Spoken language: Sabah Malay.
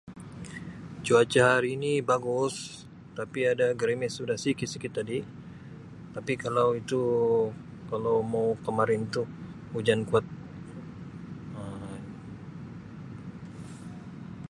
Cuaca hari ini bagus tapi ada gerimis sudah sikit-sikit tadi tapi kalau itu kalau mau kemarin tu hujan kuat Um.